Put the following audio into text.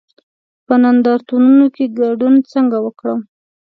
په نندارتونونو کې ګډون څنګه وکړم؟